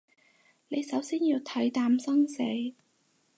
你首先要睇淡生死